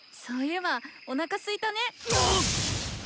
そういえばおなかすいたね。